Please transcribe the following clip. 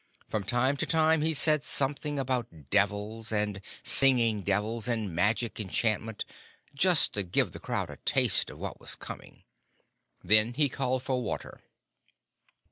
From time to time he said something about devils and singing devils, and magic enchantment, just to give the crowd a taste of what was coming. Then he called for water.